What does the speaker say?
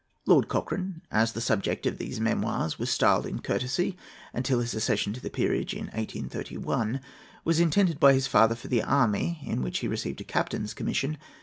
Lord Cochrane—as the subject of these memoirs was styled in courtesy until his accession to the peerage in 1831—was intended by his father for the army, in which he received a captain's commission.